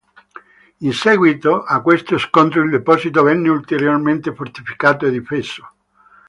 In seguito a questo scontro il deposito venne ulteriormente fortificato e difeso.